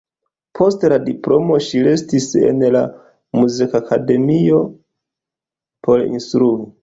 Post la diplomo ŝi restis en la Muzikakademio por instrui.